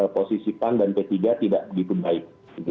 posisi pan dan p tiga tidak begitu baik